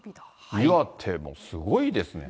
岩手もすごいですね。